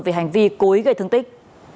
về hành vi cối gây thương tích